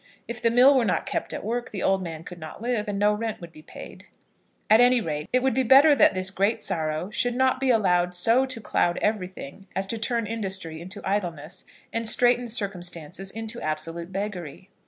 If the mill were not kept at work, the old man could not live, and no rent would be paid. At any rate, it would be better that this great sorrow should not be allowed so to cloud everything as to turn industry into idleness, and straitened circumstances into absolute beggary.